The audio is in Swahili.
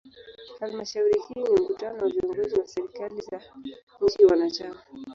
Halmashauri hii ni mkutano wa viongozi wa serikali za nchi wanachama.